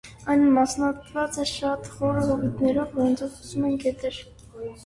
Այն մասնատված է շատ խորը հովիտներով, որոնցով հոսում են գետեր։